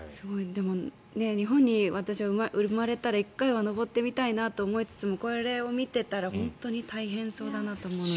でも日本に、私は生まれたら１回は登ってみたいなと思いつつもこれを見ていたら本当に大変そうだなと思うので。